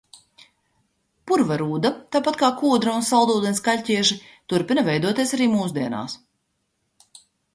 Purva rūda, tāpat kā kūdra un saldūdens kaļķieži, turpina veidoties arī mūsdienās.